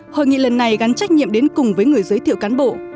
hội nghị lần này gắn trách nhiệm đến cùng với người giới thiệu cán bộ